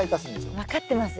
分かってますよ。